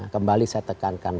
kembali saya tekankan